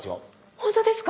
本当ですか？